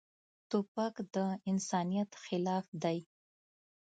توپک د انسانیت خلاف دی.